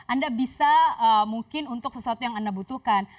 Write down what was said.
anda bisa mungkin untuk sesuatu yang anda butuhkan